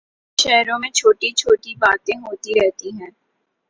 بڑے بڑے شہروں میں چھوٹی چھوٹی باتیں ہوتی رہتی ہیں